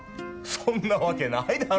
そんなわけないだろ。